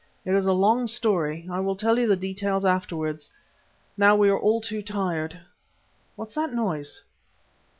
It is a long story; I will tell you the details afterwards. Now we are all too tired. What's that noise?"